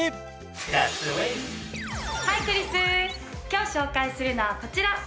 今日紹介するのはこちら。